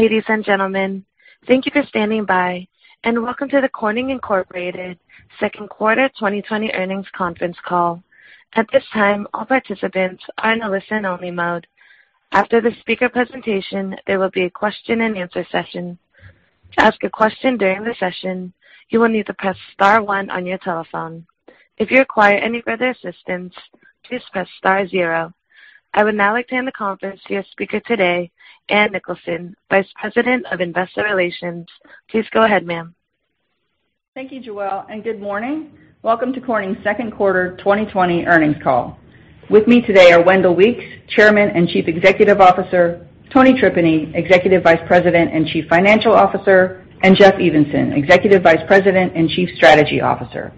Ladies and gentlemen, thank you for standing by and welcome to the Corning Incorporated second quarter 2020 earnings conference call. At this time, all participants are in a listen-only mode. After the speaker presentation, there will be a question and answer session. To ask a question during the session, you will need to press star one on your telephone. If you require any further assistance, please press star zero. I would now like to hand the conference to your speaker today, Ann Nicholson, Vice President of Investor Relations. Please go ahead, ma'am. Thank you, Joel, and good morning. Welcome to Corning's second quarter 2020 earnings call. With me today are Wendell Weeks, Chairman and Chief Executive Officer, Tony Tripeny, Executive Vice President and Chief Financial Officer, and Jeff Evenson, Executive Vice President and Chief Strategy Officer.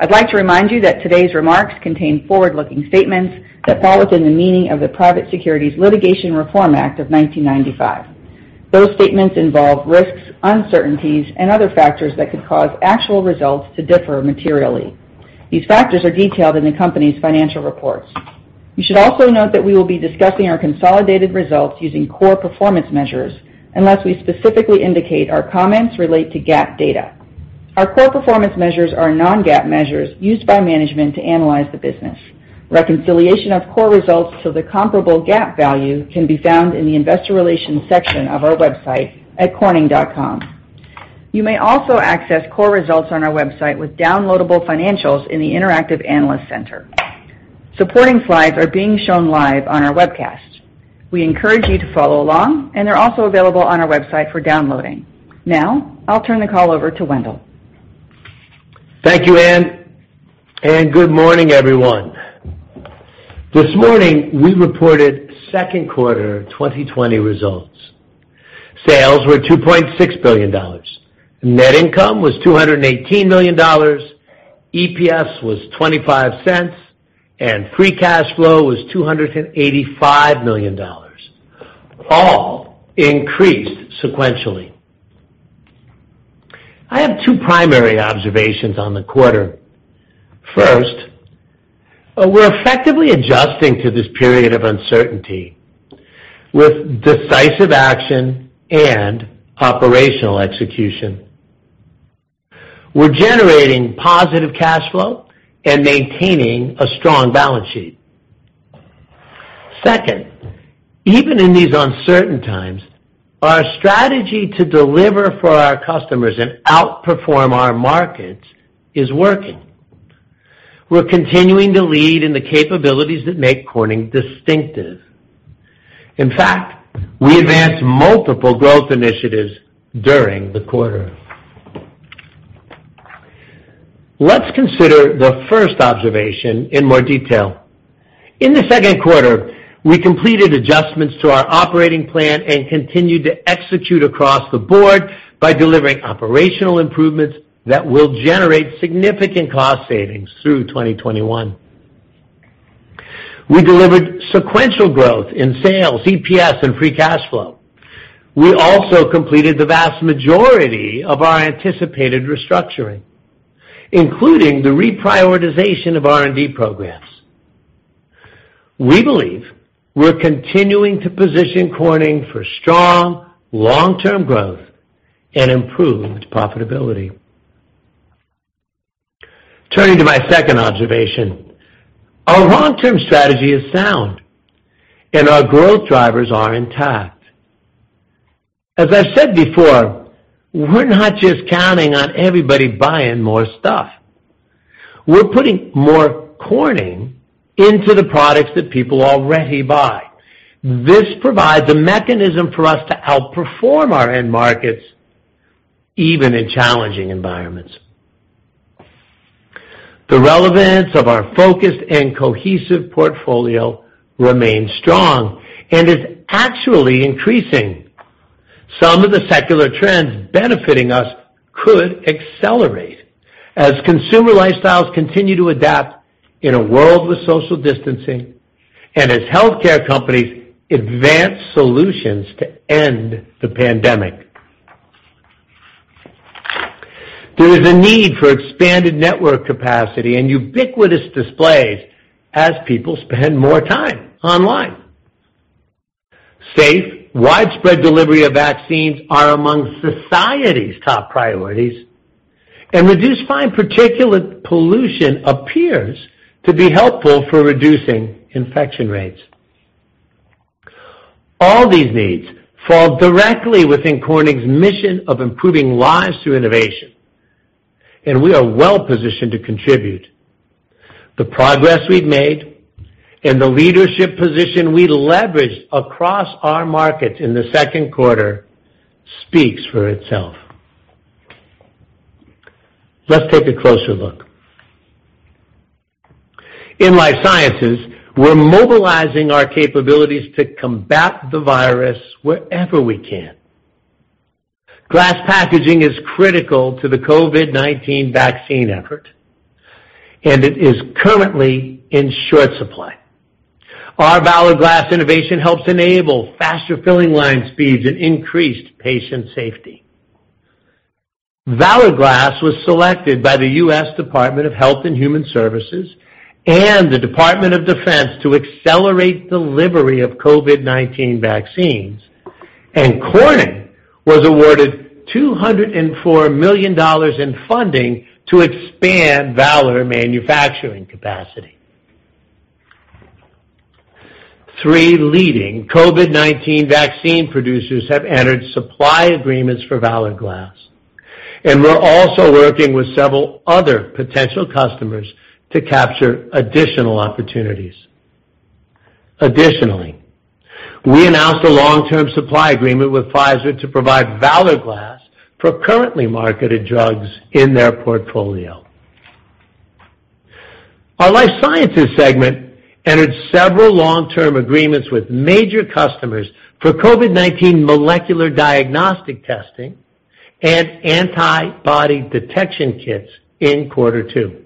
I'd like to remind you that today's remarks contain forward-looking statements that fall within the meaning of the Private Securities Litigation Reform Act of 1995. Those statements involve risks, uncertainties, and other factors that could cause actual results to differ materially. These factors are detailed in the company's financial reports. You should also note that we will be discussing our consolidated results using core performance measures, unless we specifically indicate our comments relate to GAAP data. Our core performance measures are non-GAAP measures used by management to analyze the business. Reconciliation of core results to the comparable GAAP value can be found in the investor relations section of our website at corning.com. You may also access core results on our website with downloadable financials in the interactive analyst center. Supporting slides are being shown live on our webcast. We encourage you to follow along, they're also available on our website for downloading. Now, I'll turn the call over to Wendell. Thank you, Ann. Good morning, everyone. This morning, we reported second quarter 2020 results. Sales were $2.6 billion. Net income was $218 million. EPS was $0.25, and free cash flow was $285 million. All increased sequentially. I have two primary observations on the quarter. First, we're effectively adjusting to this period of uncertainty with decisive action and operational execution. We're generating positive cash flow and maintaining a strong balance sheet. Second, even in these uncertain times, our strategy to deliver for our customers and outperform our markets is working. We're continuing to lead in the capabilities that make Corning distinctive. In fact, we advanced multiple growth initiatives during the quarter. Let's consider the first observation in more detail. In the second quarter, we completed adjustments to our operating plan and continued to execute across the board by delivering operational improvements that will generate significant cost savings through 2021. We delivered sequential growth in sales, EPS, and free cash flow. We also completed the vast majority of our anticipated restructuring, including the reprioritization of R&D programs. We believe we're continuing to position Corning for strong long-term growth and improved profitability. Turning to my second observation, our long-term strategy is sound, and our growth drivers are intact. As I've said before, we're not just counting on everybody buying more stuff. We're putting more Corning into the products that people already buy. This provides a mechanism for us to outperform our end markets, even in challenging environments. The relevance of our focused and cohesive portfolio remains strong and is actually increasing. Some of the secular trends benefiting us could accelerate as consumer lifestyles continue to adapt in a world with social distancing and as healthcare companies advance solutions to end the pandemic. There is a need for expanded network capacity and ubiquitous displays as people spend more time online. Safe, widespread delivery of vaccines are among society's top priorities. Reduced fine particulate pollution appears to be helpful for reducing infection rates. All these needs fall directly within Corning's mission of improving lives through innovation, and we are well-positioned to contribute. The progress we've made and the leadership position we leveraged across our markets in the second quarter speaks for itself. Let's take a closer look. In Life Sciences, we're mobilizing our capabilities to combat the virus wherever we can. Glass packaging is critical to the COVID-19 vaccine effort, and it is currently in short supply. Our Valor Glass innovation helps enable faster filling line speeds and increased patient safety. Valor Glass was selected by the U.S. Department of Health and Human Services and the Department of Defense to accelerate delivery of COVID-19 vaccines, and Corning was awarded $204 million in funding to expand Valor manufacturing capacity. Three leading COVID-19 vaccine producers have entered supply agreements for Valor Glass, and we're also working with several other potential customers to capture additional opportunities. Additionally, we announced a long-term supply agreement with Pfizer to provide Valor Glass for currently marketed drugs in their portfolio. Our Life Sciences segment entered several long-term agreements with major customers for COVID-19 molecular diagnostic testing and antibody detection kits in quarter two.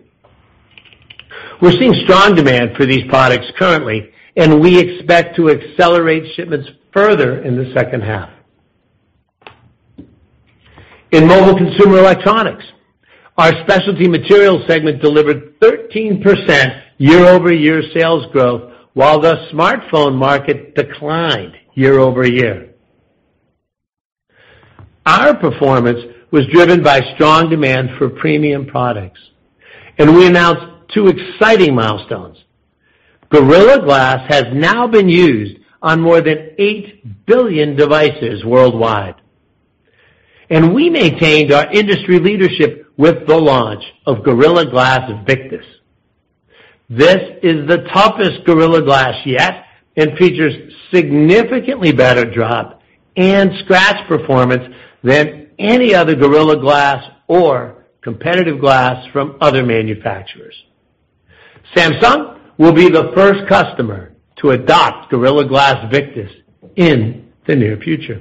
We're seeing strong demand for these products currently, and we expect to accelerate shipments further in the second half. In mobile consumer electronics, our Specialty Materials segment delivered 13% year-over-year sales growth while the smartphone market declined year-over-year. We announced two exciting milestones. Gorilla Glass has now been used on more than 8 billion devices worldwide, and we maintained our industry leadership with the launch of Gorilla Glass Victus. Features significantly better drop and scratch performance than any other Gorilla Glass or competitive glass from other manufacturers. Samsung will be the first customer to adopt Gorilla Glass Victus in the near future.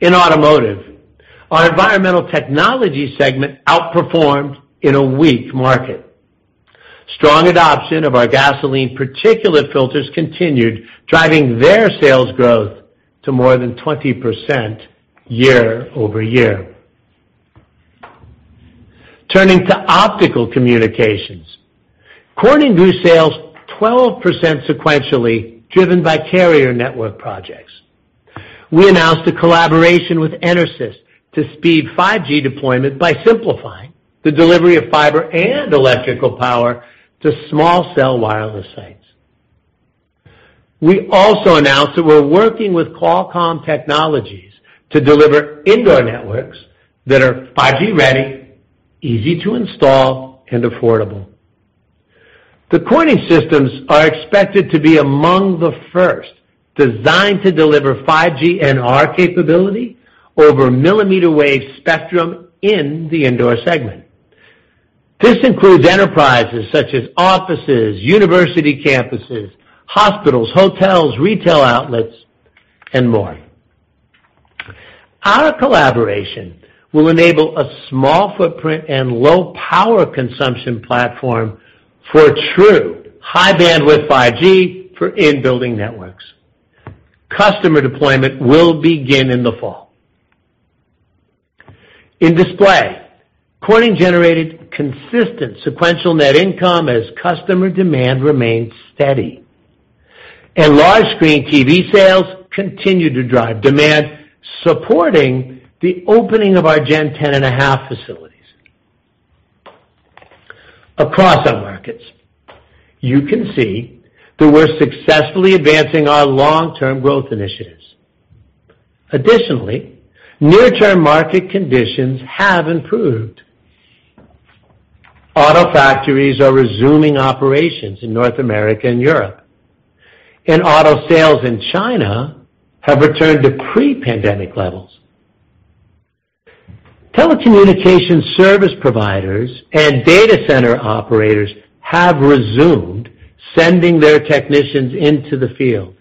In automotive, our Environmental Technologies segment outperformed in a weak market. Strong adoption of our gasoline particulate filters continued, driving their sales growth to more than 20% year-over-year. Turning to Optical Communications, Corning grew sales 12% sequentially, driven by carrier network projects. We announced a collaboration with EnerSys to speed 5G deployment by simplifying the delivery of fiber and electrical power to small cell wireless sites. We also announced that we're working with Qualcomm Technologies to deliver indoor networks that are 5G ready, easy to install, and affordable. The Corning systems are expected to be among the first designed to deliver 5G NR capability over millimeter wave spectrum in the indoor segment. This includes enterprises such as offices, university campuses, hospitals, hotels, retail outlets, and more. Our collaboration will enable a small footprint and low power consumption platform for true high-bandwidth 5G for in-building networks. Customer deployment will begin in the fall. In display, Corning generated consistent sequential net income as customer demand remained steady, and large screen TV sales continued to drive demand, supporting the opening of our Gen 10.5 facilities. Across our markets, you can see that we're successfully advancing our long-term growth initiatives. Additionally, near-term market conditions have improved. Auto factories are resuming operations in North America and Europe, and auto sales in China have returned to pre-pandemic levels. Telecommunication service providers and data center operators have resumed sending their technicians into the field.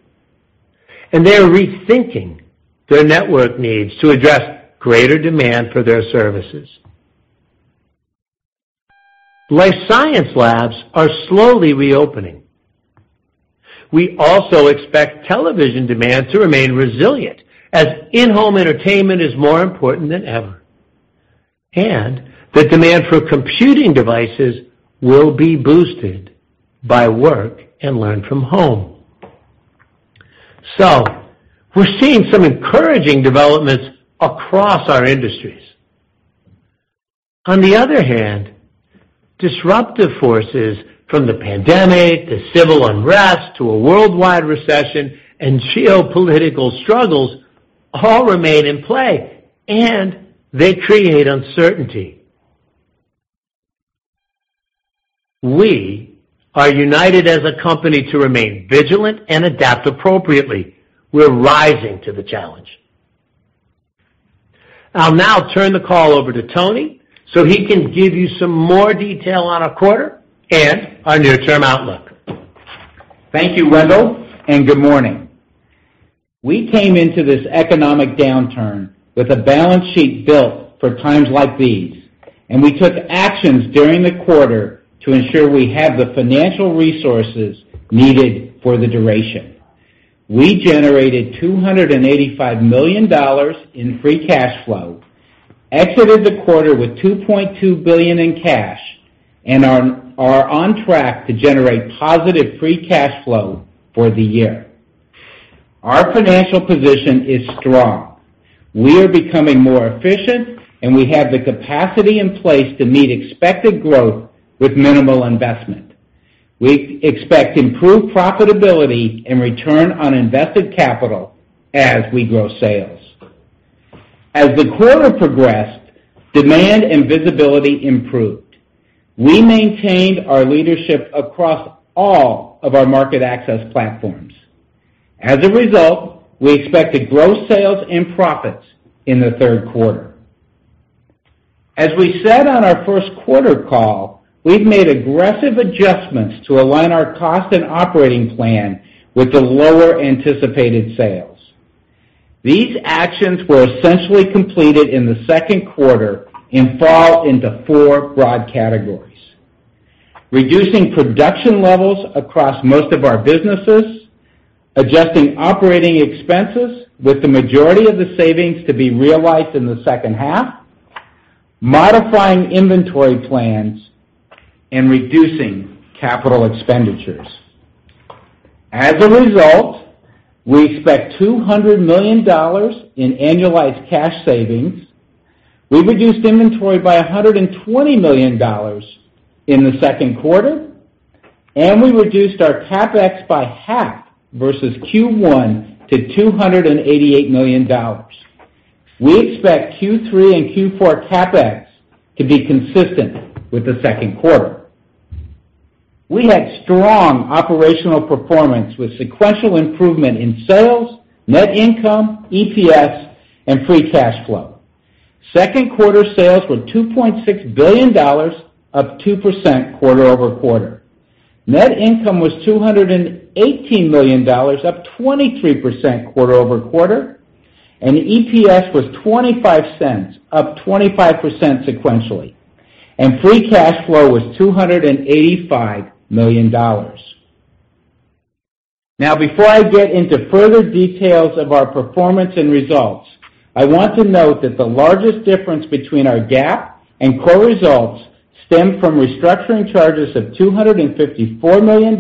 They are rethinking their network needs to address greater demand for their services. Life science labs are slowly reopening. We also expect television demand to remain resilient as in-home entertainment is more important than ever. The demand for computing devices will be boosted by work and learn from home. We're seeing some encouraging developments across our industries. On the other hand, disruptive forces from the pandemic to civil unrest to a worldwide recession and geopolitical struggles all remain in play. They create uncertainty. We are united as a company to remain vigilant and adapt appropriately. We're rising to the challenge. I'll now turn the call over to Tony so he can give you some more detail on our quarter and our near-term outlook. Thank you, Wendell. Good morning. We came into this economic downturn with a balance sheet built for times like these, and we took actions during the quarter to ensure we have the financial resources needed for the duration. We generated $285 million in free cash flow, exited the quarter with $2.2 billion in cash, and are on track to generate positive free cash flow for the year. Our financial position is strong. We are becoming more efficient, and we have the capacity in place to meet expected growth with minimal investment. We expect improved profitability and return on invested capital as we grow sales. As the quarter progressed, demand and visibility improved. We maintained our leadership across all of our market access platforms. As a result, we expect to grow sales and profits in the third quarter. As we said on our first quarter call, we've made aggressive adjustments to align our cost and operating plan with the lower anticipated sales. These actions were essentially completed in the second quarter and fall into four broad categories: reducing production levels across most of our businesses, adjusting operating expenses with the majority of the savings to be realized in the second half, modifying inventory plans, and reducing capital expenditures. As a result, we expect $200 million in annualized cash savings. We reduced inventory by $120 million in the second quarter, and we reduced our CapEx by half versus Q1 to $288 million. We expect Q3 and Q4 CapEx to be consistent with the second quarter. We had strong operational performance with sequential improvement in sales, net income, EPS, and free cash flow. Second quarter sales were $2.6 billion, up 2% quarter-over-quarter. Net income was $218 million, up 23% quarter-over-quarter. EPS was $0.25, up 25% sequentially. Free cash flow was $285 million. Now, before I get into further details of our performance and results, I want to note that the largest difference between our GAAP and core results stemmed from restructuring charges of $254 million,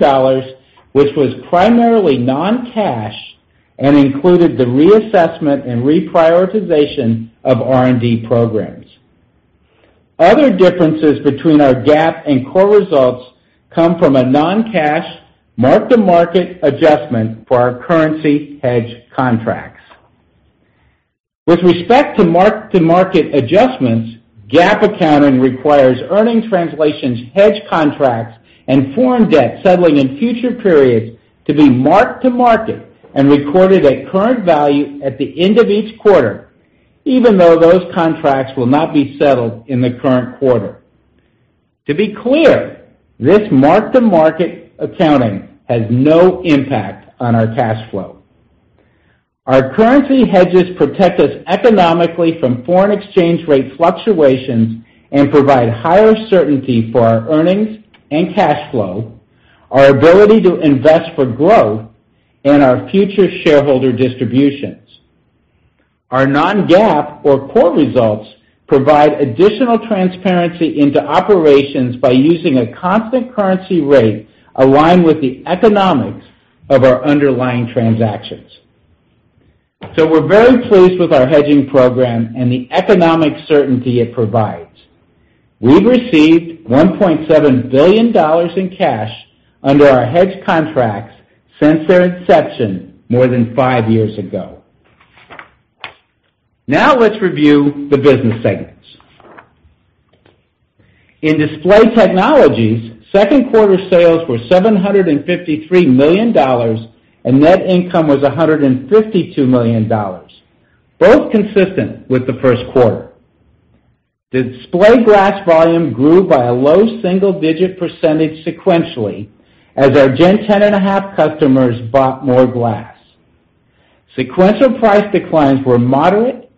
which was primarily non-cash and included the reassessment and reprioritization of R&D programs. Other differences between our GAAP and core results come from a non-cash mark-to-market adjustment for our currency hedge contracts. With respect to mark-to-market adjustments, GAAP accounting requires earnings translations hedge contracts and foreign debt settling in future periods to be marked to market and recorded at current value at the end of each quarter, even though those contracts will not be settled in the current quarter. To be clear, this mark-to-market accounting has no impact on our cash flow. Our currency hedges protect us economically from foreign exchange rate fluctuations and provide higher certainty for our earnings and cash flow, our ability to invest for growth, and our future shareholder distributions. Our non-GAAP or core results provide additional transparency into operations by using a constant currency rate aligned with the economics of our underlying transactions. We're very pleased with our hedging program and the economic certainty it provides. We've received $1.7 billion in cash under our hedge contracts since their inception more than five years ago. Now let's review the business segments. In Display Technologies, second quarter sales were $753 million, and net income was $152 million, both consistent with the first quarter. Display glass volume grew by a low single-digit percentage sequentially as our Gen 10.5 customers bought more glass. Sequential price declines were moderate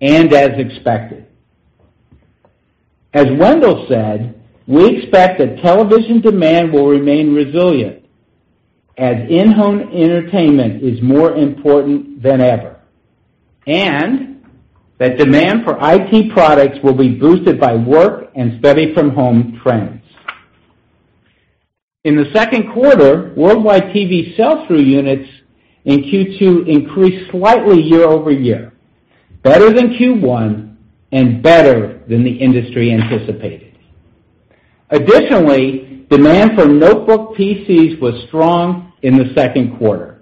and as expected. As Wendell said, we expect that television demand will remain resilient as in-home entertainment is more important than ever, and that demand for IT products will be boosted by work and study-from-home trends. In the second quarter, worldwide TV sell-through units in Q2 increased slightly year-over-year, better than Q1 and better than the industry anticipated. Additionally, demand for notebook PCs was strong in the second quarter.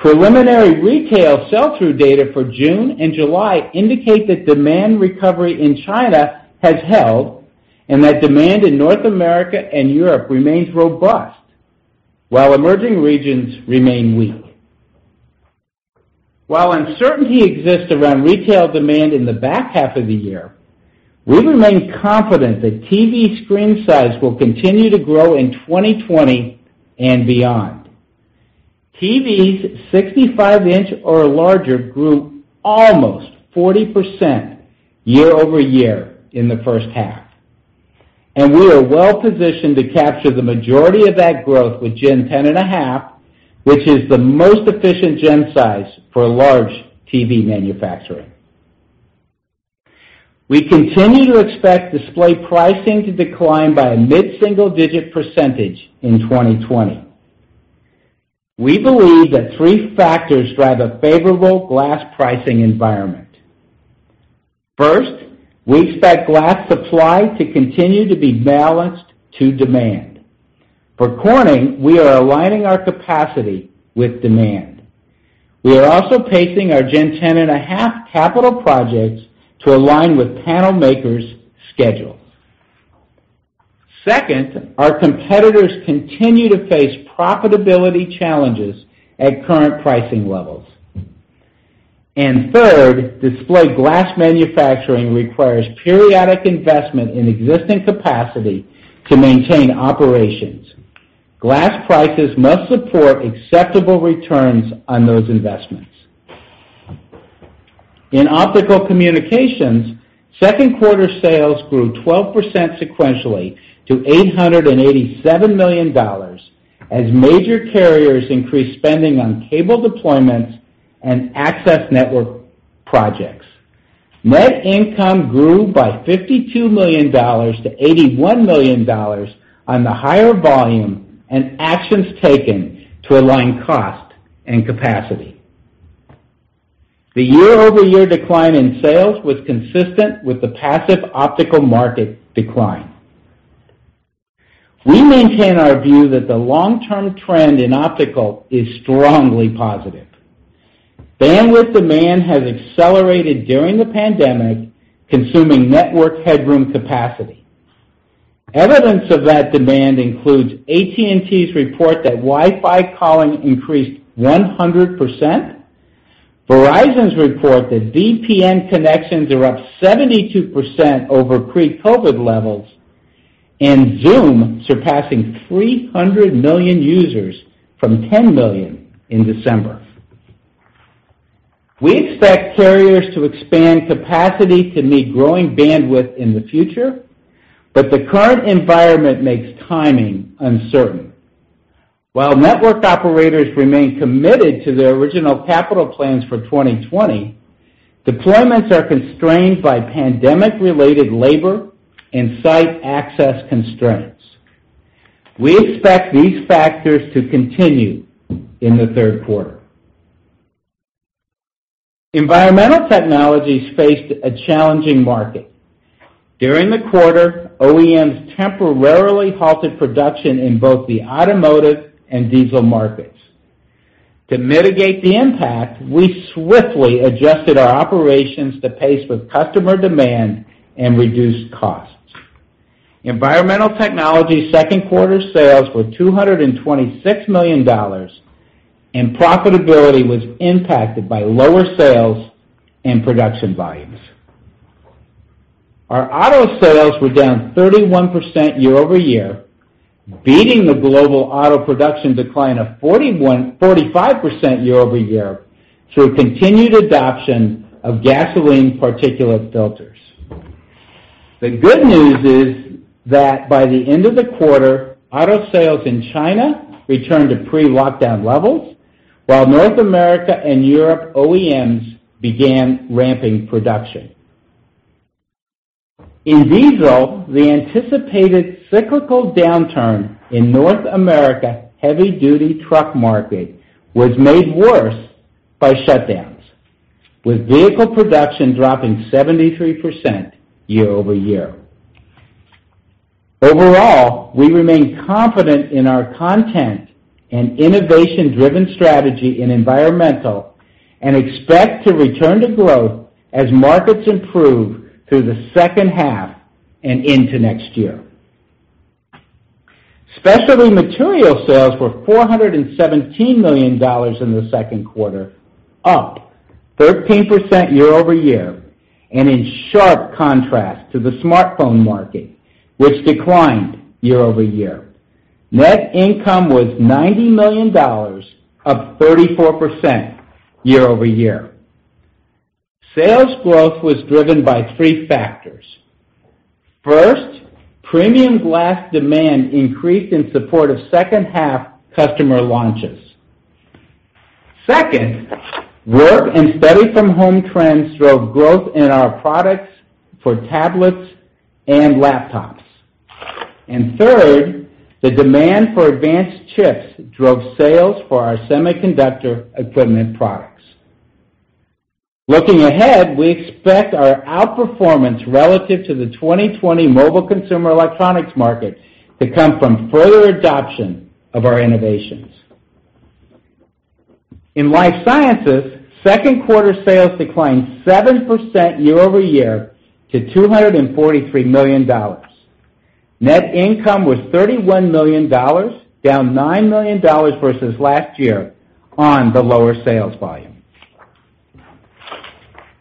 Preliminary retail sell-through data for June and July indicate that demand recovery in China has held, and that demand in North America and Europe remains robust, while emerging regions remain weak. While uncertainty exists around retail demand in the back half of the year, we remain confident that TV screen size will continue to grow in 2020 and beyond. TVs 65-in or larger grew almost 40% year-over-year in the first half. We are well positioned to capture the majority of that growth with Gen 10.5, which is the most efficient Gen size for large TV manufacturing. We continue to expect display pricing to decline by a mid-single-digit percentage in 2020. We believe that three factors drive a favorable glass pricing environment. First, we expect glass supply to continue to be balanced to demand. For Corning, we are aligning our capacity with demand. We are also pacing our Gen 10.5 capital projects to align with panel makers' schedules. Second, our competitors continue to face profitability challenges at current pricing levels. Third, display glass manufacturing requires periodic investment in existing capacity to maintain operations. Glass prices must support acceptable returns on those investments. In Optical Communications, second quarter sales grew 12% sequentially to $887 million, as major carriers increased spending on cable deployments and access network projects. Net income grew by $52 million-$81 million on the higher volume and actions taken to align cost and capacity. The year-over-year decline in sales was consistent with the passive optical market decline. We maintain our view that the long-term trend in optical is strongly positive. Bandwidth demand has accelerated during the pandemic, consuming network headroom capacity. Evidence of that demand includes AT&T's report that Wi-Fi calling increased 100%, Verizon's report that VPN connections are up 72% over pre-COVID-19 levels, and Zoom surpassing 300 million users from 10 million in December. We expect carriers to expand capacity to meet growing bandwidth in the future, but the current environment makes timing uncertain. While network operators remain committed to their original capital plans for 2020, deployments are constrained by pandemic-related labor and site access constraints. We expect these factors to continue in the third quarter. Environmental Technologies faced a challenging market. During the quarter, OEMs temporarily halted production in both the automotive and diesel markets. To mitigate the impact, we swiftly adjusted our operations to pace with customer demand and reduce costs. Environmental Technologies second quarter sales were $226 million, and profitability was impacted by lower sales and production volumes. Our auto sales were down 31% year-over-year, beating the global auto production decline of 45% year-over-year through continued adoption of gasoline particulate filters. The good news is that by the end of the quarter, auto sales in China returned to pre-lockdown levels, while North America and Europe OEMs began ramping production. In diesel, the anticipated cyclical downturn in North America heavy-duty truck market was made worse by shutdowns, with vehicle production dropping 73% year-over-year. Overall, we remain confident in our content and innovation-driven strategy in environmental, and expect to return to growth as markets improve through the second half and into next year. Specialty Materials sales were $417 million in the second quarter, up 13% year-over-year, and in sharp contrast to the smartphone market, which declined year-over-year. Net income was $90 million, up 34% year-over-year. Sales growth was driven by three factors. First, premium glass demand increased in support of second half customer launches. Second, work and study from home trends drove growth in our products for tablets and laptops. Third, the demand for advanced chips drove sales for our semiconductor equipment products. Looking ahead, we expect our outperformance relative to the 2020 mobile consumer electronics market to come from further adoption of our innovations. In Life Sciences, second quarter sales declined 7% year-over-year to $243 million. Net income was $31 million, down $9 million versus last year on the lower sales volume.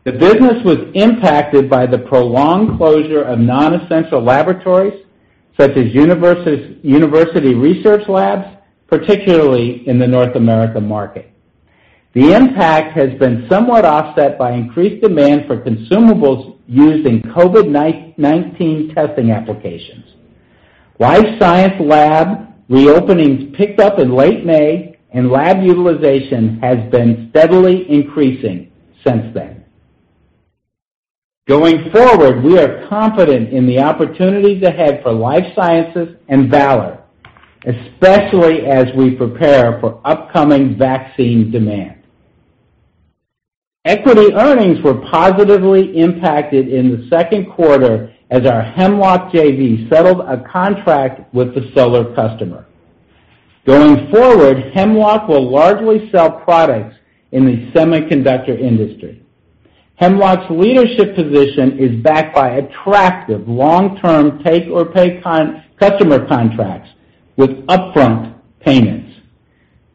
The business was impacted by the prolonged closure of non-essential laboratories, such as university research labs, particularly in the North America market. The impact has been somewhat offset by increased demand for consumables used in COVID-19 testing applications. Life Sciences lab reopenings picked up in late May, and lab utilization has been steadily increasing since then. Going forward, we are confident in the opportunities ahead for Life Sciences and Valor, especially as we prepare for upcoming vaccine demand. Equity earnings were positively impacted in the second quarter as our Hemlock JV settled a contract with the solar customer. Going forward, Hemlock will largely sell products in the semiconductor industry. Hemlock's leadership position is backed by attractive long-term take-or-pay customer contracts with upfront payments.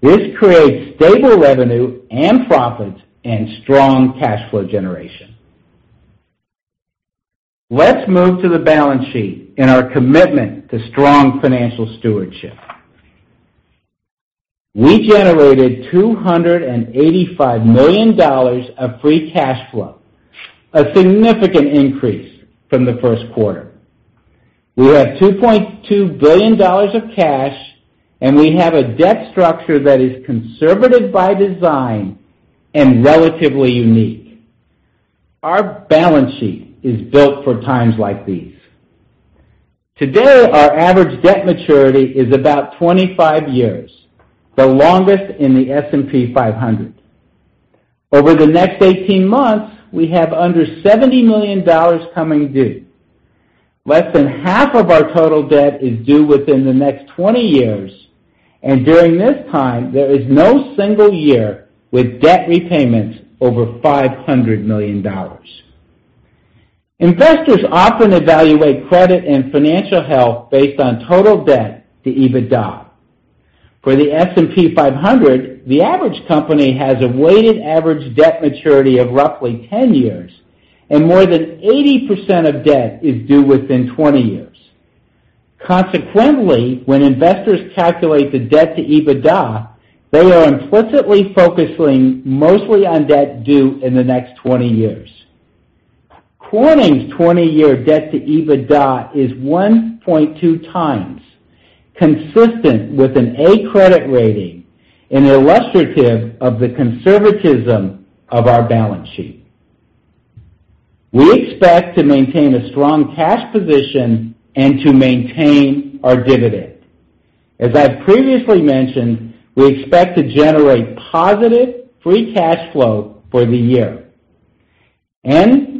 This creates stable revenue and profits and strong cash flow generation. Let's move to the balance sheet and our commitment to strong financial stewardship. We generated $285 million of free cash flow, a significant increase from the first quarter. We have $2.2 billion of cash, and we have a debt structure that is conservative by design and relatively unique. Our balance sheet is built for times like these. Today, our average debt maturity is about 25 years, the longest in the S&P 500. Over the next 18 months, we have under $70 million coming due. Less than half of our total debt is due within the next 20 years, and during this time, there is no single year with debt repayments over $500 million. Investors often evaluate credit and financial health based on total debt to EBITDA. For the S&P 500, the average company has a weighted average debt maturity of roughly 10 years, and more than 80% of debt is due within 20 years. Consequently, when investors calculate the debt to EBITDA, they are implicitly focusing mostly on debt due in the next 20 years. Corning's 20-year debt to EBITDA is 1.2x, consistent with an A credit rating and illustrative of the conservatism of our balance sheet. We expect to maintain a strong cash position and to maintain our dividend. As I've previously mentioned, we expect to generate positive free cash flow for the year, and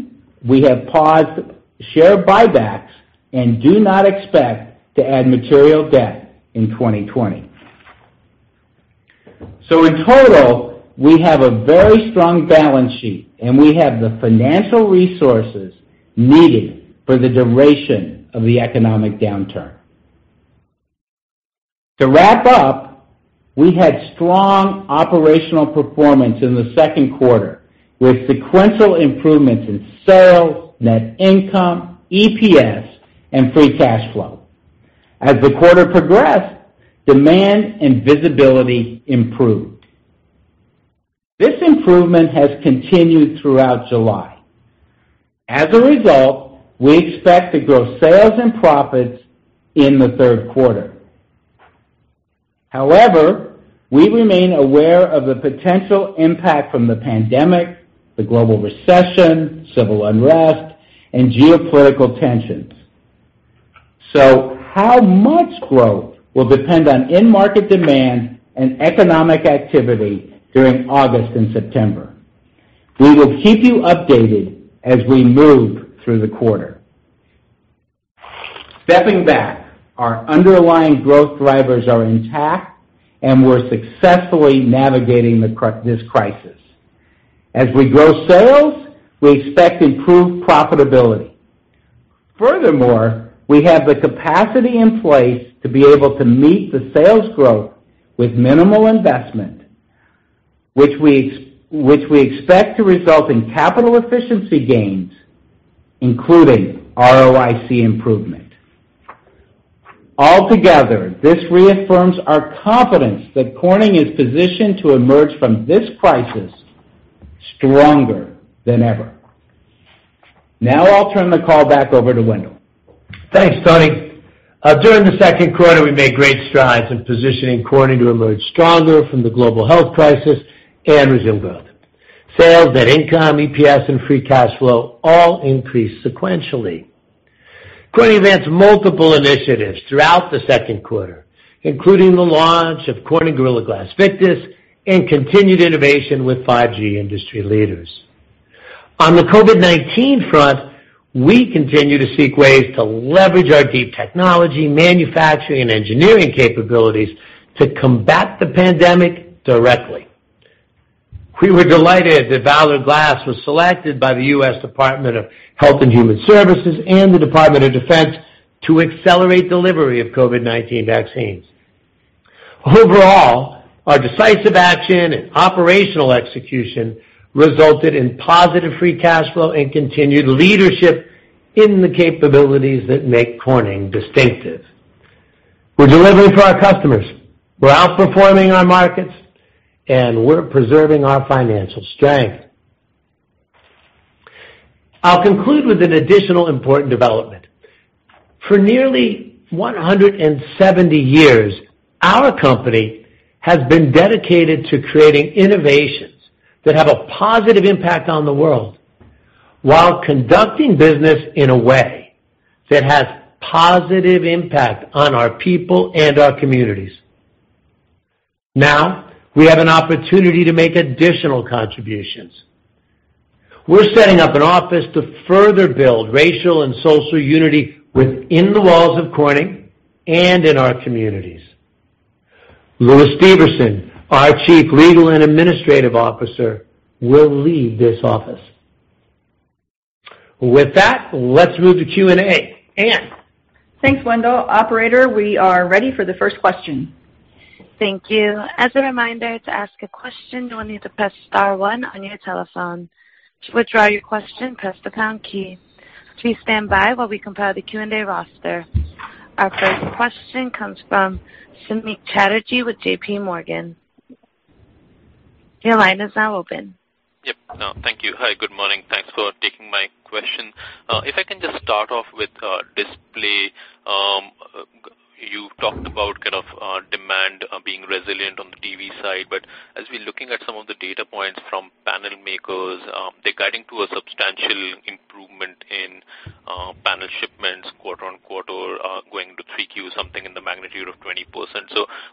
we have paused share buybacks and do not expect to add material debt in 2020. In total, we have a very strong balance sheet, and we have the financial resources needed for the duration of the economic downturn. To wrap up, we had strong operational performance in the second quarter with sequential improvements in sales, net income, EPS, and free cash flow. As the quarter progressed, demand and visibility improved. This improvement has continued throughout July. As a result, we expect to grow sales and profits in the third quarter. However, we remain aware of the potential impact from the pandemic, the global recession, civil unrest, and geopolitical tensions. How much growth will depend on end market demand and economic activity during August and September. We will keep you updated as we move through the quarter. Stepping back, our underlying growth drivers are intact, and we're successfully navigating this crisis. As we grow sales, we expect improved profitability. Furthermore, we have the capacity in place to be able to meet the sales growth with minimal investment, which we expect to result in capital efficiency gains, including ROIC improvement. Altogether, this reaffirms our confidence that Corning is positioned to emerge from this crisis stronger than ever. Now, I'll turn the call back over to Wendell. Thanks, Tony. During the second quarter, we made great strides in positioning Corning to emerge stronger from the global health crisis and resume growth. Sales, net income, EPS, and free cash flow all increased sequentially. Corning advanced multiple initiatives throughout the second quarter, including the launch of Corning Gorilla Glass Victus and continued innovation with 5G industry leaders. On the COVID-19 front, we continue to seek ways to leverage our deep technology, manufacturing, and engineering capabilities to combat the pandemic directly. We were delighted that Valor Glass was selected by the U.S. Department of Health and Human Services and the Department of Defense to accelerate delivery of COVID-19 vaccines. Overall, our decisive action and operational execution resulted in positive free cash flow and continued leadership in the capabilities that make Corning distinctive. We're delivering for our customers, we're outperforming our markets, and we're preserving our financial strength. I'll conclude with an additional important development. For nearly 170 years, our company has been dedicated to creating innovations that have a positive impact on the world while conducting business in a way that has positive impact on our people and our communities. Now, we have an opportunity to make additional contributions. We're setting up an office to further build racial and social unity within the walls of Corning and in our communities. Lewis Steverson, our Chief Legal and Administrative Officer, will lead this office. With that, let's move to Q&A. Ann? Thanks, Wendell. Operator, we are ready for the first question. Thank you. As a reminder, to ask a question, you will need to press star one on your telephone. To withdraw your question, press the pound key. Please stand by while we compile the Q&A roster. Our first question comes from Samik Chatterjee with JPMorgan. Your line is now open. Yep. No, thank you. Hi, good morning. Thanks for taking my question. If I can just start off with display. You talked about demand being resilient on the TV side, but as we're looking at some of the data points from panel makers, they're guiding to a substantial improvement in panel shipments quarter on quarter, going into 3Q, something in the magnitude of 20%.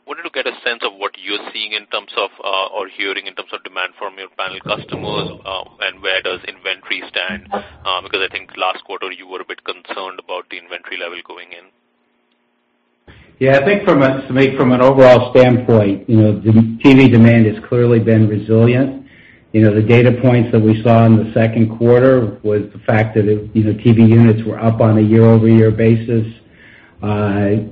Wanted to get a sense of what you're seeing in terms of, or hearing in terms of demand from your panel customers, and where does inventory stand, because I think last quarter you were a bit concerned about the inventory level going in. Yeah, I think, Samik, from an overall standpoint, TV demand has clearly been resilient. The data points that we saw in the second quarter was the fact that TV units were up on a year-over-year basis. That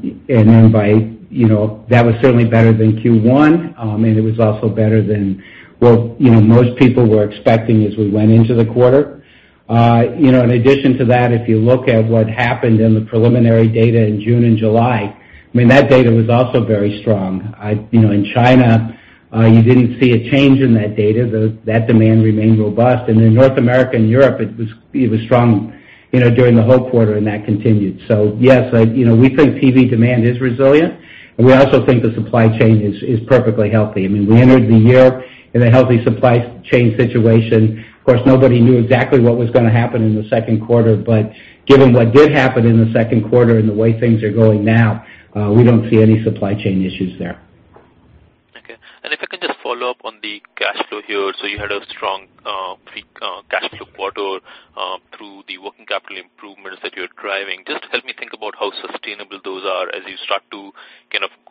was certainly better than Q1, and it was also better than what most people were expecting as we went into the quarter. In addition to that, if you look at what happened in the preliminary data in June and July, that data was also very strong. In China, you didn't see a change in that data. That demand remained robust. In North America and Europe, it was strong during the whole quarter, and that continued. Yes, we think TV demand is resilient, and we also think the supply chain is perfectly healthy. We entered the year in a healthy supply chain situation. Of course, nobody knew exactly what was going to happen in the second quarter, but given what did happen in the second quarter and the way things are going now, we don't see any supply chain issues there. Okay. If I can just follow up on the cash flow here. You had a strong free cash flow quarter through the working capital improvements that you're driving. Just help me think about how sustainable those are as you start to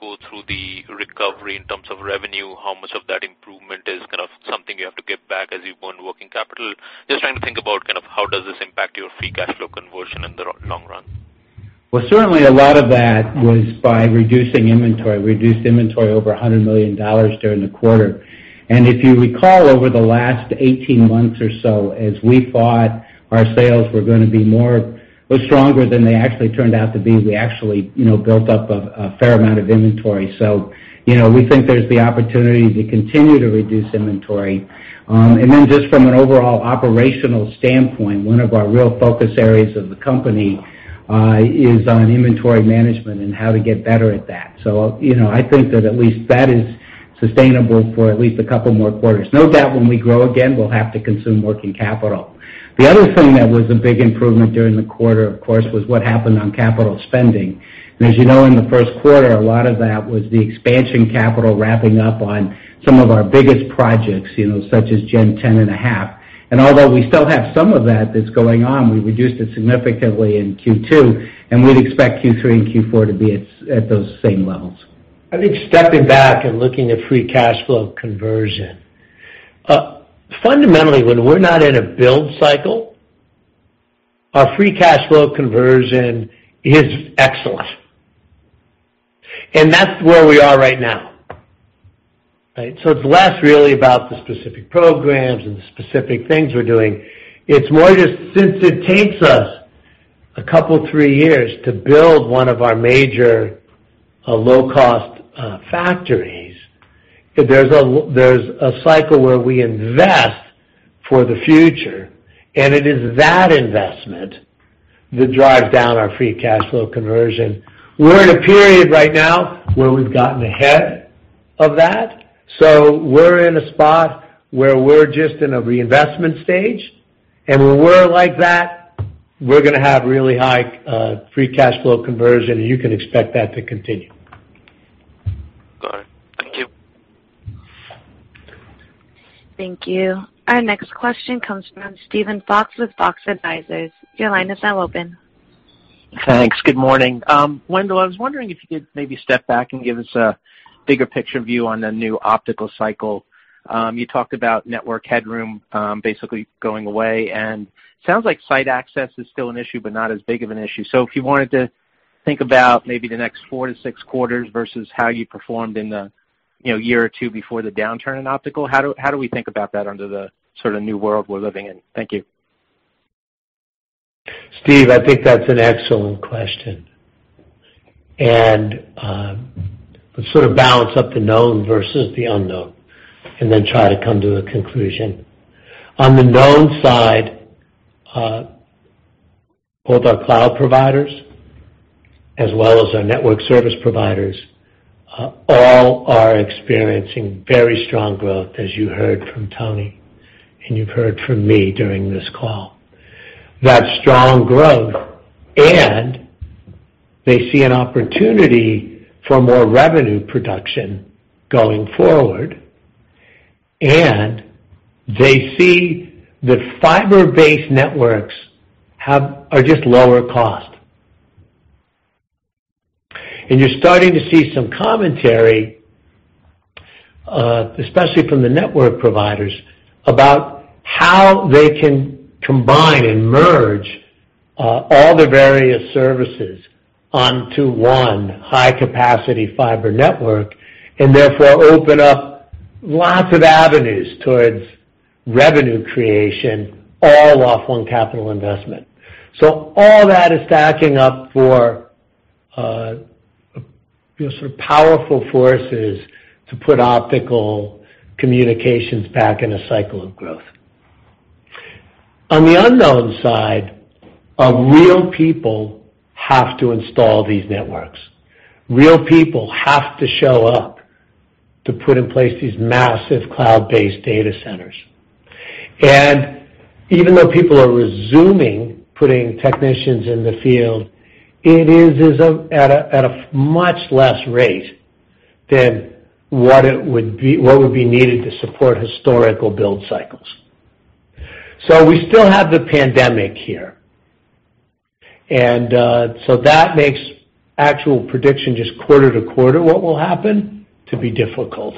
go through the recovery in terms of revenue, how much of that improvement is something you have to give back as you burn working capital? Just trying to think about how does this impact your free cash flow conversion in the long run. Well, certainly a lot of that was by reducing inventory. We reduced inventory over $100 million during the quarter. If you recall, over the last 18 months or so, as we thought our sales were going to be more or stronger than they actually turned out to be, we actually built up a fair amount of inventory. We think there's the opportunity to continue to reduce inventory. Just from an overall operational standpoint, one of our real focus areas of the company is on inventory management and how to get better at that. I think that at least that is sustainable for at least a couple more quarters. No doubt when we grow again, we'll have to consume working capital. The other thing that was a big improvement during the quarter, of course, was what happened on capital spending. As you know, in the first quarter, a lot of that was the expansion capital wrapping up on some of our biggest projects, such as Gen 10.5. Although we still have some of that that's going on, we reduced it significantly in Q2, and we'd expect Q3 and Q4 to be at those same levels. I think stepping back and looking at free cash flow conversion, fundamentally, when we're not in a build cycle, our free cash flow conversion is excellent, and that's where we are right now. Right? It's less really about the specific programs and the specific things we're doing. It's more just since it takes us a couple, three years to build one of our major low-cost factories, there's a cycle where we invest for the future, and it is that investment that drives down our free cash flow conversion. We're in a period right now where we've gotten ahead of that. We're in a spot where we're just in a reinvestment stage, and when we're like that, we're going to have really high free cash flow conversion, and you can expect that to continue. Got it. Thank you. Thank you. Our next question comes from Steven Fox with Fox Advisors. Your line is now open. Thanks. Good morning. Wendell, I was wondering if you could maybe step back and give us a bigger picture view on the new optical cycle. You talked about network headroom basically going away. Sounds like site access is still an issue, but not as big of an issue. If you wanted to think about maybe the next four to six quarters versus how you performed in the year or two before the downturn in optical, how do we think about that under the sort of new world we're living in? Thank you. Steven, I think that's an excellent question. Let's sort of balance up the known versus the unknown, and then try to come to a conclusion. On the known side, both our cloud providers as well as our network service providers, all are experiencing very strong growth, as you heard from Tony, and you've heard from me during this call. That strong growth, and they see an opportunity for more revenue production going forward, and they see the fiber-based networks are just lower cost. You're starting to see some commentary, especially from the network providers, about how they can combine and merge all the various services onto one high-capacity fiber network, and therefore open up lots of avenues towards revenue creation, all off one capital investment. All that is stacking up for sort of powerful forces to put Optical Communications back in a cycle of growth. On the unknown side, real people have to install these networks. Real people have to show up to put in place these massive cloud-based data centers. Even though people are resuming putting technicians in the field, it is at a much less rate than what would be needed to support historical build cycles. We still have the pandemic here. That makes actual prediction just quarter to quarter what will happen to be difficult.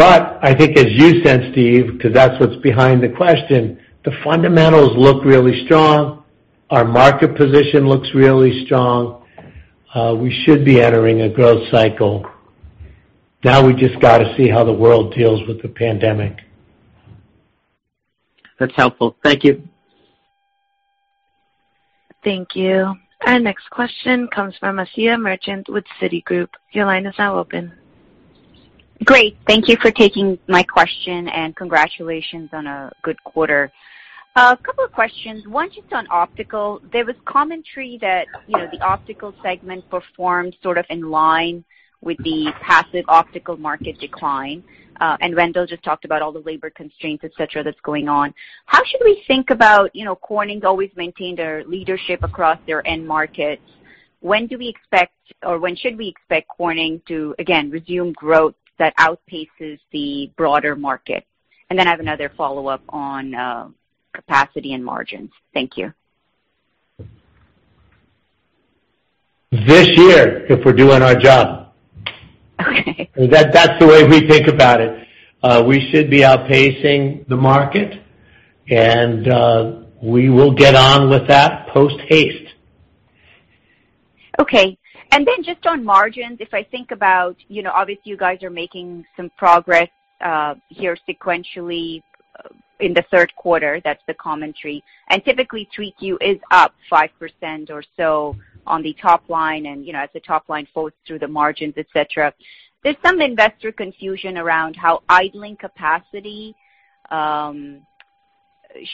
I think as you said, Steven, because that's what's behind the question, the fundamentals look really strong. Our market position looks really strong. We should be entering a growth cycle. Now we just got to see how the world deals with the pandemic. That's helpful. Thank you. Thank you. Our next question comes from Asiya Merchant with Citigroup. Your line is now open. Great. Thank you for taking my question, congratulations on a good quarter. A couple of questions. One, just on Optical Communications. There was commentary that the Optical Communications segment performed sort of in line with the passive optical market decline, and Wendell just talked about all the labor constraints, et cetera, that's going on. How should we think about Corning's always maintained their leadership across their end markets? When do we expect or when should we expect Corning to, again, resume growth that outpaces the broader market? I have another follow-up on capacity and margins. Thank you. This year, if we're doing our job. Okay That's the way we think about it. We should be outpacing the market, and we will get on with that posthaste. Okay. Just on margins, if I think about, obviously you guys are making some progress here sequentially in the third quarter, that's the commentary. Typically, 3Q is up 5% or so on the top line, and as the top line flows through the margins, et cetera. There's some investor confusion around how idling capacity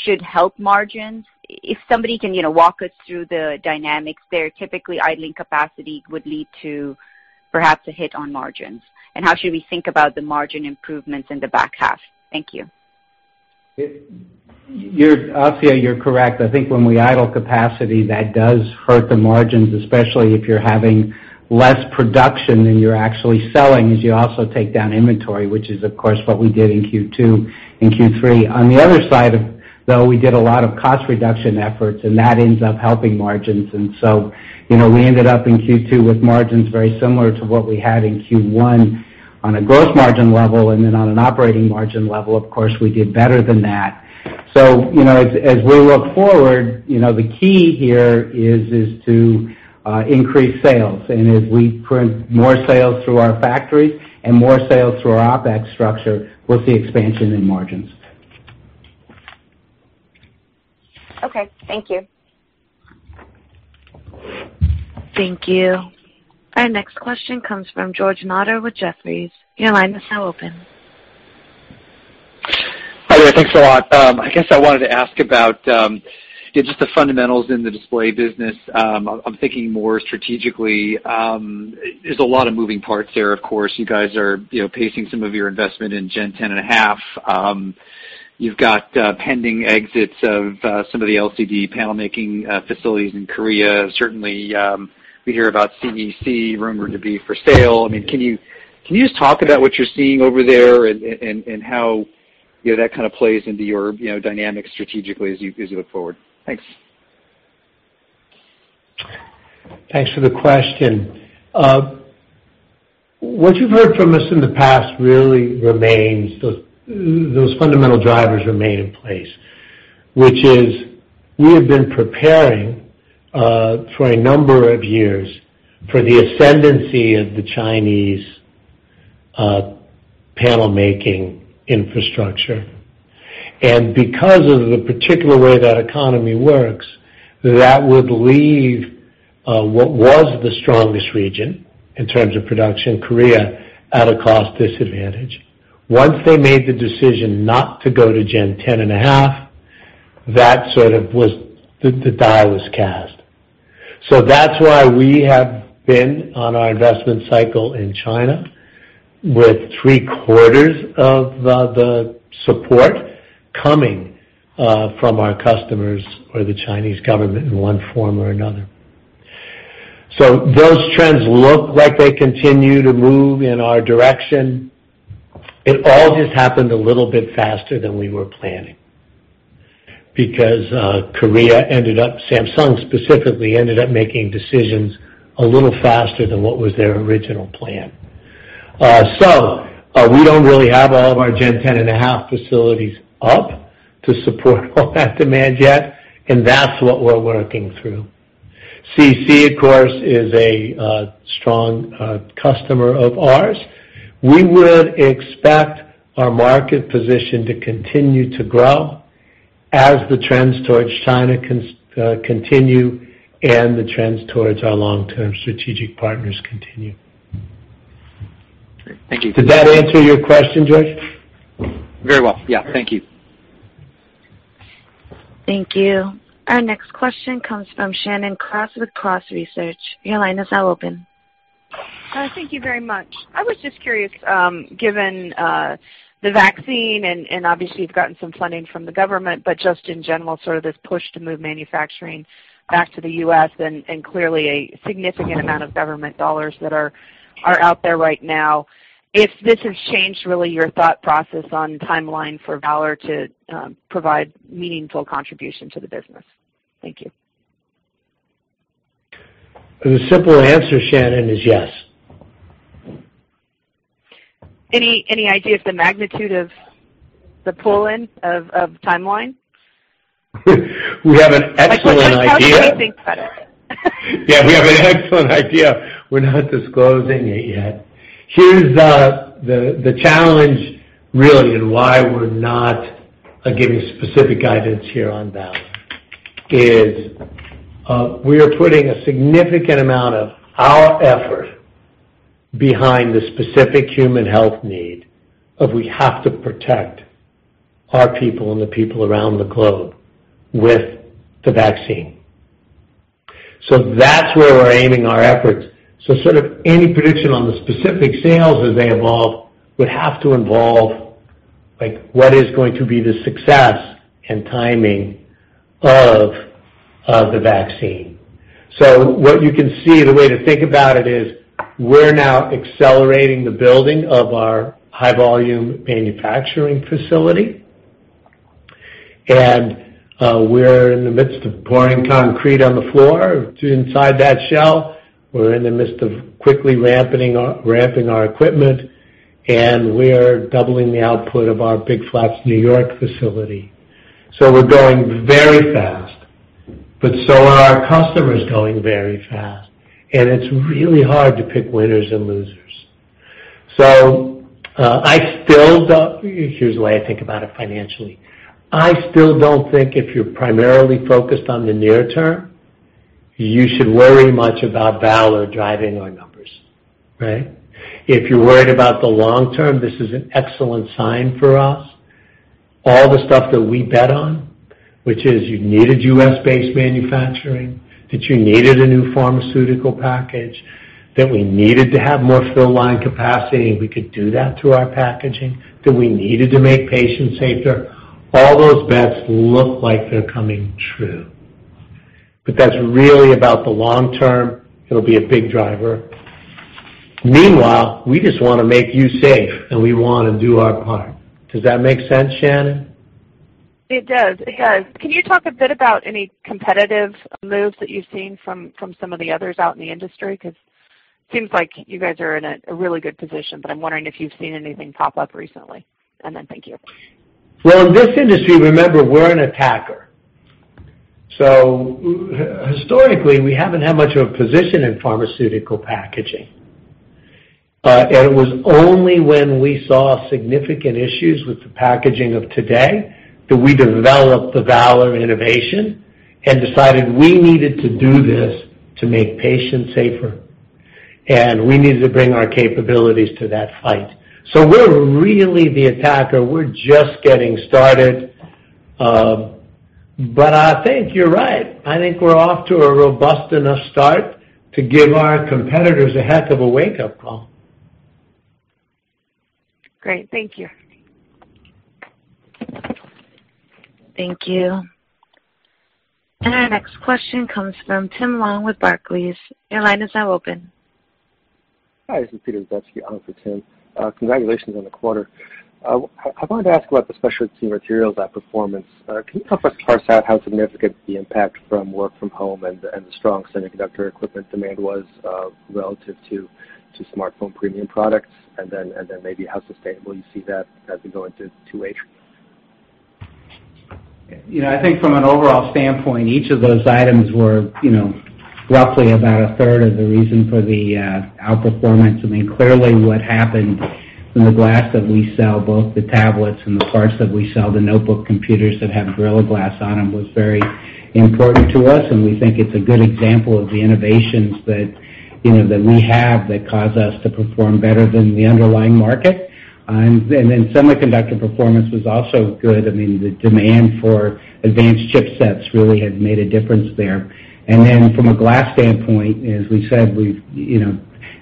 should help margins. If somebody can walk us through the dynamics there, typically idling capacity would lead to perhaps a hit on margins. How should we think about the margin improvements in the back half? Thank you. Asiya, you're correct. I think when we idle capacity, that does hurt the margins, especially if you're having less production than you're actually selling, as you also take down inventory, which is, of course, what we did in Q2 and Q3. On the other side of it, though, we did a lot of cost reduction efforts, that ends up helping margins. We ended up in Q2 with margins very similar to what we had in Q1 on a gross margin level. Then on an operating margin level, of course, we did better than that. As we look forward, the key here is to increase sales. As we print more sales through our factories and more sales through our OpEx structure, we'll see expansion in margins. Okay. Thank you. Thank you. Our next question comes from George Notter with Jefferies. Your line is now open. Hi there. Thanks a lot. I guess I wanted to ask about just the fundamentals in the Display business. I'm thinking more strategically. There's a lot of moving parts there, of course. You guys are pacing some of your investment in Gen 10.5. You've got pending exits of some of the LCD panel making facilities in Korea. Certainly, we hear about CEC rumored to be for sale. Can you just talk about what you're seeing over there and how that kind of plays into your dynamic strategically as you look forward? Thanks. Thanks for the question. What you've heard from us in the past really remains, those fundamental drivers remain in place, which is we have been preparing for a number of years for the ascendancy of the Chinese panel making infrastructure. Because of the particular way that economy works, that would leave what was the strongest region in terms of production, Korea, at a cost disadvantage. Once they made the decision not to go to Gen 10.5, the die was cast. That's why we have been on our investment cycle in China with three-quarters of the support coming from our customers or the Chinese government in one form or another. Those trends look like they continue to move in our direction. It all just happened a little bit faster than we were planning, because Korea ended up, Samsung specifically, ended up making decisions a little faster than what was their original plan. We don't really have all of our Gen 10.5 facilities up to support all that demand yet, and that's what we're working through. CEC, of course, is a strong customer of ours. We would expect our market position to continue to grow as the trends towards China continue and the trends towards our long-term strategic partners continue. Great. Thank you. Did that answer your question, George? Very well. Yeah. Thank you. Thank you. Our next question comes from Shannon Cross with Cross Research. Your line is now open. Thank you very much. I was just curious, given the vaccine and obviously you've gotten some funding from the government, but just in general, sort of this push to move manufacturing back to the U.S. and clearly a significant amount of government dollars that are out there right now. If this has changed really your thought process on timeline for Valor to provide meaningful contribution to the business? Thank you. The simple answer, Shannon, is yes. Any idea of the magnitude of the pull-in of timeline? We have an excellent idea. Like what kind of time frame are you think about it? Yeah, we have an excellent idea. We're not disclosing it yet. Here's the challenge really, and why we're not giving specific guidance here on Valor is, we are putting a significant amount of our effort behind the specific human health need of we have to protect our people and the people around the globe with the vaccine. That's where we're aiming our efforts. Sort of any prediction on the specific sales as they evolve, would have to involve what is going to be the success and timing of the vaccine. What you can see, the way to think about it is we're now accelerating the building of our high-volume manufacturing facility, and we're in the midst of pouring concrete on the floor inside that shell. We're in the midst of quickly ramping our equipment, and we're doubling the output of our Big Flats, N.Y. facility. We're going very fast, but so are our customers going very fast, and it's really hard to pick winners and losers. Here's the way I think about it financially. I still don't think if you're primarily focused on the near term, you should worry much about Valor driving our numbers. Right? If you're worried about the long term, this is an excellent sign for us. All the stuff that we bet on, which is you needed U.S.-based manufacturing, that you needed a new pharmaceutical package, that we needed to have more fill line capacity, and we could do that through our packaging, that we needed to make patients safer. All those bets look like they're coming true. That's really about the long term. It'll be a big driver. Meanwhile, we just want to make you safe, and we want to do our part. Does that make sense, Shannon? It does. Can you talk a bit about any competitive moves that you've seen from some of the others out in the industry? It seems like you guys are in a really good position, but I'm wondering if you've seen anything pop up recently, and then thank you. In this industry, remember, we're an attacker. Historically, we haven't had much of a position in pharmaceutical packaging. It was only when we saw significant issues with the packaging of today that we developed the Valor innovation and decided we needed to do this to make patients safer, and we needed to bring our capabilities to that fight. We're really the attacker. We're just getting started. I think you're right. I think we're off to a robust enough start to give our competitors a heck of a wake-up call. Great. Thank you. Thank you. Our next question comes from Tim Long with Barclays. Your line is now open. Hi, this is Peter Bezuki on for Tim. Congratulations on the quarter. I wanted to ask about the Specialty Materials, that performance. Can you help us parse out how significant the impact from work from home and the strong semiconductor equipment demand was relative to smartphone premium products, and then maybe how sustainable you see that as we go into 2H? I think from an overall standpoint, each of those items were roughly about a third of the reason for the outperformance. Clearly, what happened in the glass that we sell, both the tablets and the parts that we sell, the notebook computers that have Gorilla Glass on them, was very important to us, and we think it's a good example of the innovations that we have that cause us to perform better than the underlying market. Semiconductor performance was also good. The demand for advanced chipsets really has made a difference there. From a glass standpoint, as we said,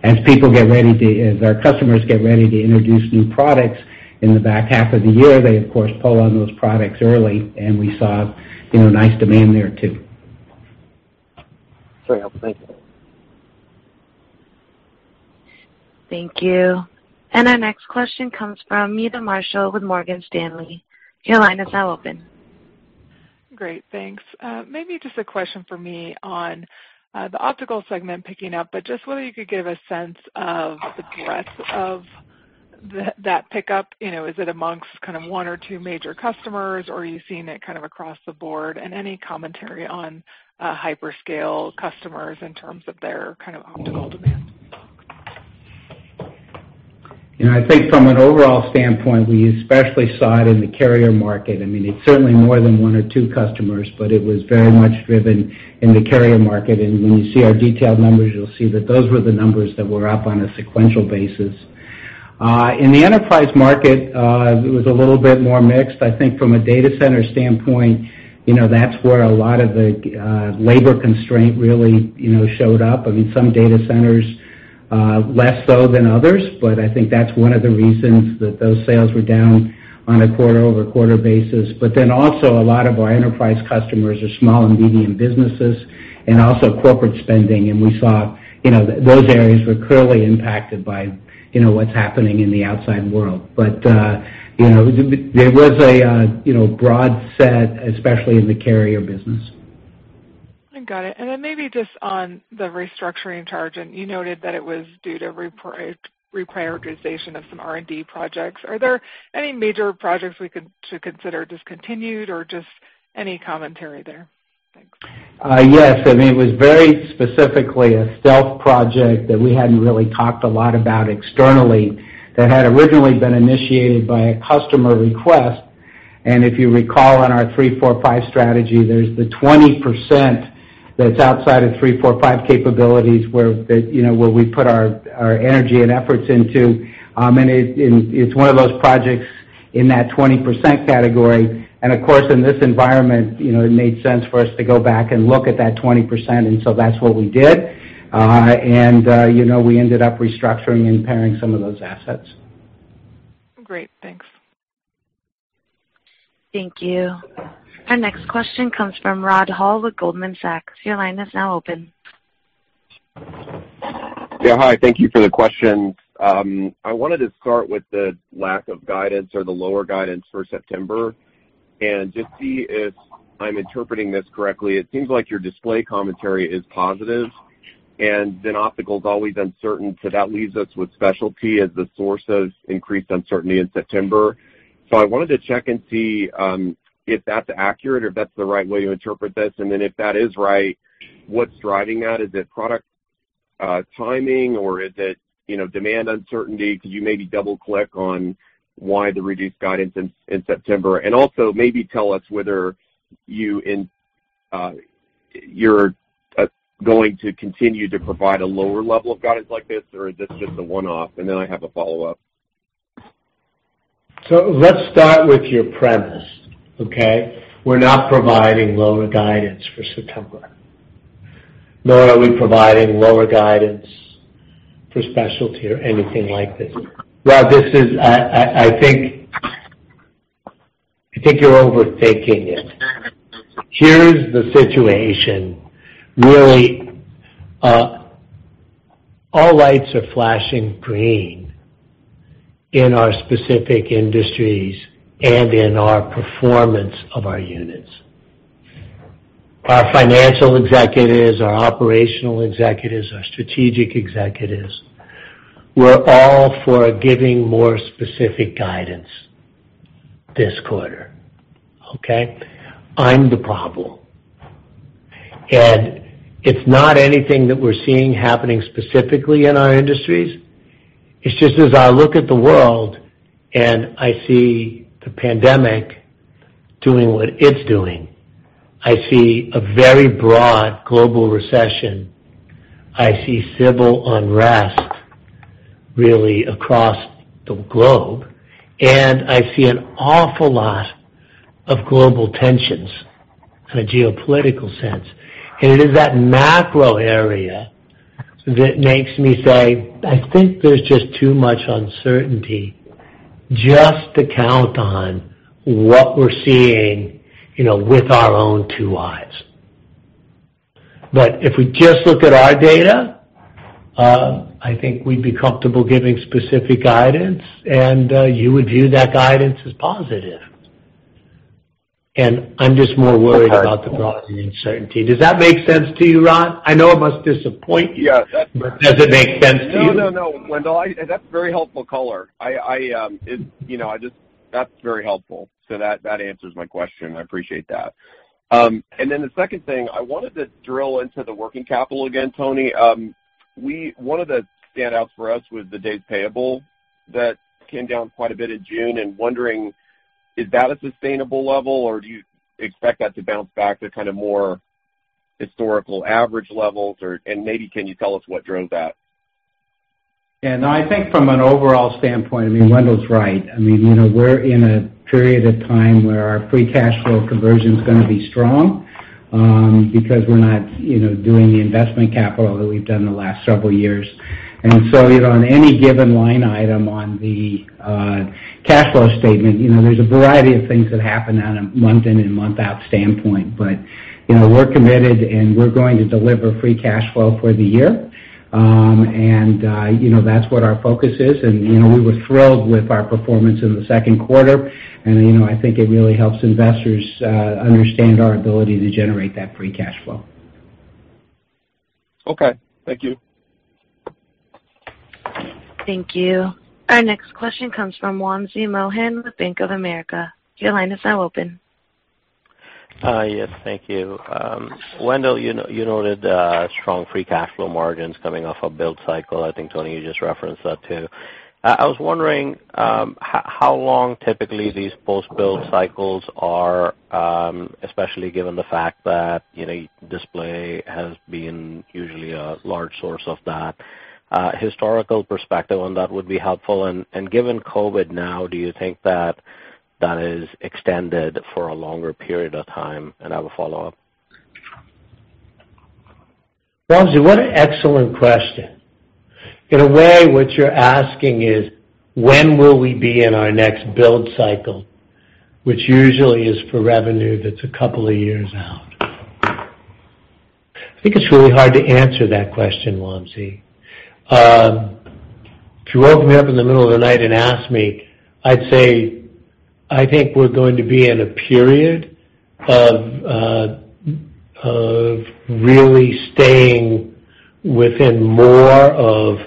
as our customers get ready to introduce new products in the back half of the year, they of course pull on those products early, and we saw nice demand there, too. Very helpful. Thank you. Thank you. Our next question comes from Meta Marshall with Morgan Stanley. Your line is now open. Great, thanks. Maybe just a question for me on the Optical segment picking up, but just whether you could give a sense of the breadth of that pickup. Is it amongst one or two major customers, or are you seeing it kind of across the board? Any commentary on hyperscale customers in terms of their optical demand. I think from an overall standpoint, we especially saw it in the carrier market. It's certainly more than one or two customers, but it was very much driven in the carrier market. When you see our detailed numbers, you'll see that those were the numbers that were up on a sequential basis. In the enterprise market, it was a little bit more mixed. I think from a data center standpoint, that's where a lot of the labor constraint really showed up. Some data centers less so than others, I think that's one of the reasons that those sales were down on a quarter-over-quarter basis. Also a lot of our enterprise customers are small and medium businesses and also corporate spending, we saw those areas were clearly impacted by what's happening in the outside world. There was a broad set, especially in the carrier business. I got it. Maybe just on the restructuring charge, you noted that it was due to reprioritization of some R&D projects. Are there any major projects we could consider discontinued or just any commentary there? Thanks. Yes. It was very specifically a stealth project that we hadn't really talked a lot about externally that had originally been initiated by a customer request. If you recall, on our 3, 4, 5 strategy, there's the 20% that's outside of 3, 4, 5 capabilities where we put our energy and efforts into. It's one of those projects in that 20% category. Of course, in this environment, it made sense for us to go back and look at that 20%. That's what we did. We ended up restructuring and paring some of those assets. Great. Thanks. Thank you. Our next question comes from Rod Hall with Goldman Sachs. Your line is now open. Yeah, hi. Thank you for the questions. I wanted to start with the lack of guidance or the lower guidance for September and just see if I'm interpreting this correctly. It seems like your Display commentary is positive, and then Optical's always uncertain, so that leaves us with Specialty as the source of increased uncertainty in September. I wanted to check and see if that's accurate or if that's the right way to interpret this. If that is right, what's driving that? Is it product timing or is it demand uncertainty? Could you maybe double-click on why the reduced guidance in September? Also maybe tell us whether you're going to continue to provide a lower level of guidance like this, or is this just a one-off? I have a follow-up. Let's start with your premise, okay? We're not providing lower guidance for September, nor are we providing lower guidance for Specialty or anything like this. Rod, I think you're overthinking it. Here's the situation. Really, all lights are flashing green in our specific industries and in our performance of our units. Our financial executives, our operational executives, our strategic executives, we're all for giving more specific guidance this quarter. Okay? I'm the problem, and it's not anything that we're seeing happening specifically in our industries. It's just as I look at the world and I see the pandemic doing what it's doing. I see a very broad global recession. I see civil unrest really across the globe, and I see an awful lot of global tensions in a geopolitical sense. It is that macro area that makes me say, I think there's just too much uncertainty just to count on what we're seeing with our own two eyes. If we just look at our data, I think we'd be comfortable giving specific guidance, and you would view that guidance as positive. I'm just more worried about the broad uncertainty. Does that make sense to you, Rod? I know it must disappoint you. Yeah. Does it make sense to you? No, Wendell, that's a very helpful color. That's very helpful. That answers my question. I appreciate that. The second thing, I wanted to drill into the working capital again, Tony. One of the standouts for us was the days payable that came down quite a bit in June, and wondering, is that a sustainable level or do you expect that to bounce back to more historical average levels? Maybe can you tell us what drove that? Yeah, no, I think from an overall standpoint, Wendell's right. We're in a period of time where our free cash flow conversion's going to be strong, because we're not doing the investment capital that we've done the last several years. On any given line item on the cash flow statement, there's a variety of things that happen on a month in and month out standpoint. We're committed, and we're going to deliver free cash flow for the year. That's what our focus is. We were thrilled with our performance in the second quarter, and I think it really helps investors understand our ability to generate that free cash flow. Okay. Thank you. Thank you. Our next question comes from Wamsi Mohan with Bank of America. Your line is now open. Yes. Thank you. Wendell, you noted strong free cash flow margins coming off a build cycle. I think, Tony, you just referenced that, too. I was wondering how long typically these post-build cycles are, especially given the fact that Display has been usually a large source of that. Historical perspective on that would be helpful. Given COVID now, do you think that that is extended for a longer period of time? I have a follow-up. Wamsi, what an excellent question. In a way, what you're asking is when will we be in our next build cycle, which usually is for revenue that's a couple of years out. I think it's really hard to answer that question, Wamsi. If you woke me up in the middle of the night and asked me, I'd say I think we're going to be in a period of really staying within more of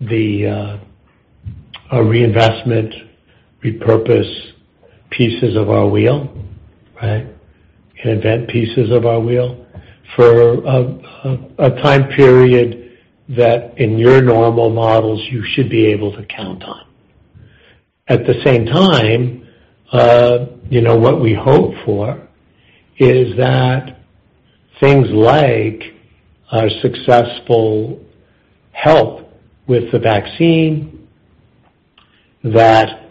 the reinvestment, repurpose pieces of our wheel, right? Invent pieces of our wheel for a time period that in your normal models you should be able to count on. At the same time, what we hope for is that things like our successful help with the vaccine, that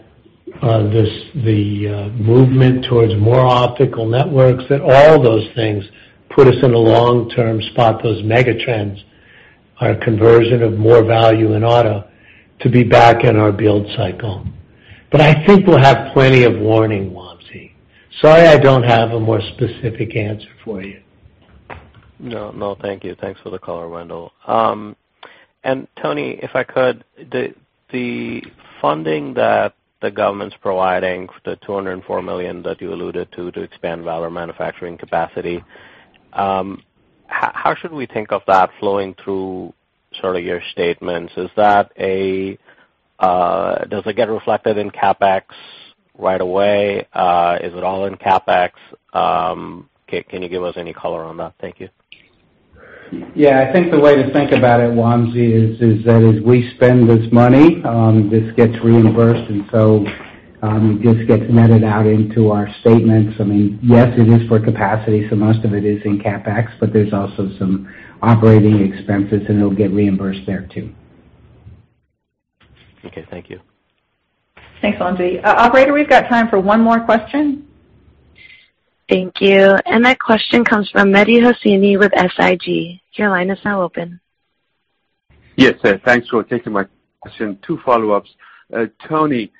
the movement towards more optical networks, that all those things put us in a long-term spot, those mega trends, our conversion of more value in auto to be back in our build cycle. I think we'll have plenty of warning, Wamsi. Sorry I don't have a more specific answer for you. No, thank you. Thanks for the color, Wendell. Tony, if I could, the funding that the government's providing, the $204 million that you alluded to expand Valor manufacturing capacity, how should we think of that flowing through your statements? Does it get reflected in CapEx right away? Is it all in CapEx? Can you give us any color on that? Thank you. Yeah, I think the way to think about it, Wamsi, is that as we spend this money, this gets reimbursed, and so it just gets netted out into our statements. Yes, it is for capacity, so most of it is in CapEx, but there's also some operating expenses, and it'll get reimbursed there, too. Okay, thank you. Thanks, Wamsi. Operator, we've got time for one more question. Thank you. That question comes from Mehdi Hosseini with SIG. Your line is now open. Yes, thanks for taking my question. Two follow-ups. Tony,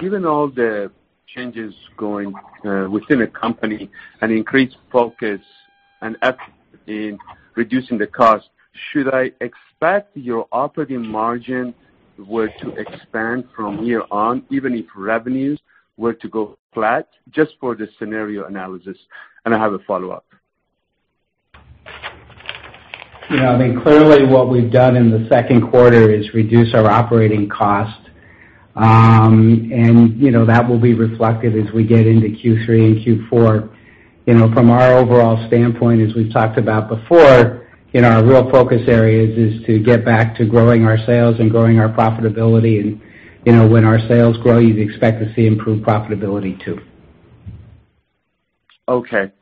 given all the changes going within the company and increased focus and in reducing the cost, should I expect your operating margin were to expand from here on, even if revenues were to go flat, just for the scenario analysis? I have a follow-up. I think clearly what we've done in the second quarter is reduce our operating cost. That will be reflected as we get into Q3 and Q4. From our overall standpoint, as we've talked about before, our real focus area is to get back to growing our sales and growing our profitability. When our sales grow, you'd expect to see improved profitability, too. Okay.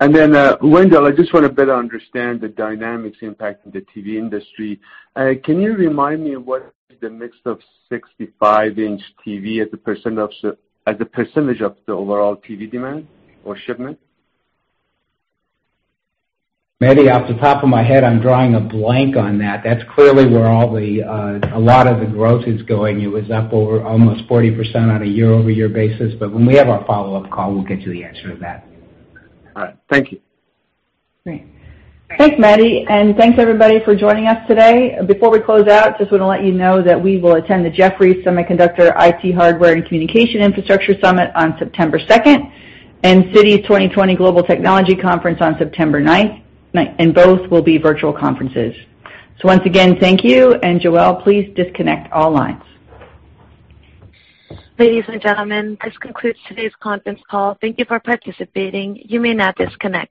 Wendell, I just want to better understand the dynamics impacting the TV industry. Can you remind me of what is the mix of 65-in TV as a percentage of the overall TV demand or shipment? Mehdi, off the top of my head, I'm drawing a blank on that. That's clearly where a lot of the growth is going. It was up over almost 40% on a year-over-year basis. When we have our follow-up call, we'll get you the answer to that. All right. Thank you. Great. Thanks, Mehdi. Thanks everybody for joining us today. Before we close out, just want to let you know that we will attend the Jefferies Semiconductor, IT Hardware & Communications Infrastructure Summit on September 2nd, and Citi's 2020 Global Technology Conference on September 9th. Both will be virtual conferences. Once again, thank you. Joel, please disconnect all lines. Ladies and gentlemen, this concludes today's conference call. Thank you for participating. You may now disconnect.